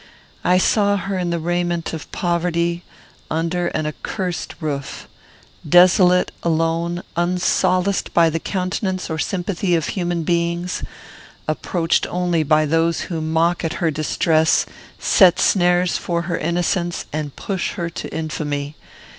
I saw her in the raiment of poverty, under an accursed roof: desolate; alone; unsolaced by the countenance or sympathy of human beings; approached only by those who mock at her distress, set snares for her innocence, and push her to infamy.